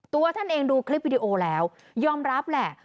ตัวท่านเองดูคลิปวิดีโอแล้วยอมรับแหละ